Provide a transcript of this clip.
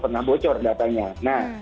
pernah bocor datanya nah